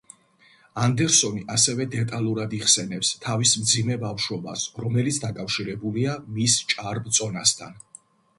ანდერსონი ასევე დეტალურად იხსენებს თავის მძიმე ბავშვობას, რომელიც დაკავშირებულია მის ჭარბ წონასთან.